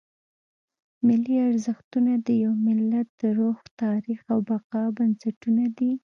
ملي ارزښتونه د یو ملت د روح، تاریخ او بقا بنسټونه دي.